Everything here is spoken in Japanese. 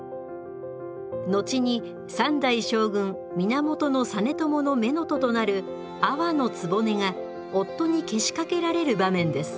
後に３代将軍源実朝の乳母となる阿波局が夫にけしかけられる場面です。